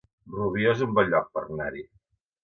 Rubió es un bon lloc per anar-hi